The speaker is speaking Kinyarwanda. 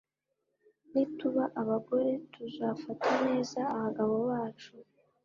nituba abagore tuzafata neza abagabo bacu